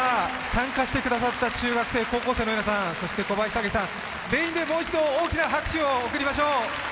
参加してくださった中学生、高校生の皆さん、そして小林武史さん、全員でもう一度大きな拍手を送りましょう。